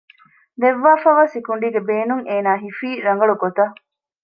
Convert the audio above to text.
ދެއްވާފައިވާ ސިކުނޑީގެ ބޭނުން އޭނާ ހިފީ ރަނގަޅު ގޮތަށް